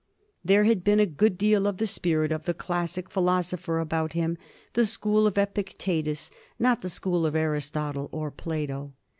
There had been a good deal of the spirit of the classic philosopher about him — the school of Epictetus, not the school of Aristotle or Plato.